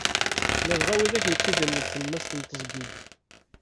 Ladɣa widak yettidiren deg tlemmast n teẓgi.